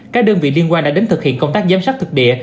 các đơn vị liên quan đã đến thực hiện công tác giám sát thực địa